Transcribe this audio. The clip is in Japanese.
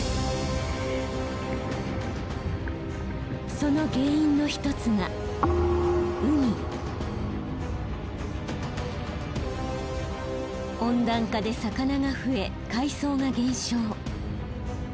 その原因の一つが温暖化で魚が増え海藻が減少。